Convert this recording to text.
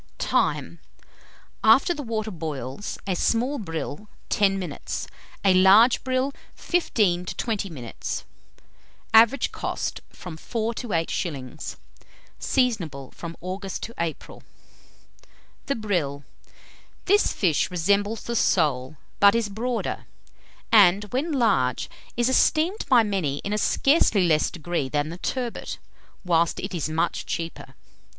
Time. After the water boils, a small brill, 10 minutes; a large brill, 15 to 20 minutes. Average cost, from 4s. to 8s. Seasonable from August to April. [Illustration: THE BRILL.] THE BRILL. This fish resembles the sole, but is broader, and when large, is esteemed by many in a scarcely less degree than the turbot, whilst it is much cheaper.